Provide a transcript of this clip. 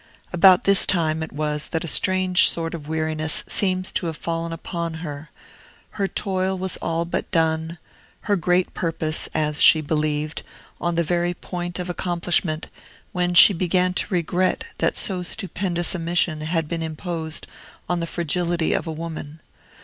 About this time it was that a strange sort of weariness seems to have fallen upon her: her toil was all but done, her great purpose, as she believed, on the very point of accomplishment, when she began to regret that so stupendous a mission had been imposed on the fragility of a woman.